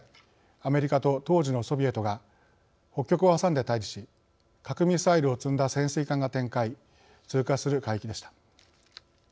アメリカと当時のソビエトが北極を挟んで対じし核ミサイルを積んだ潜水艦が展開通過する海域でした。